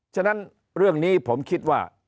ฉะนั้นเรื่องนี้ผมคิดว่า